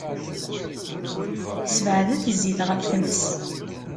Sbeɛdet zzit ɣef tmes.